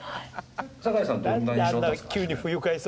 坂井さんどんな印象ですか？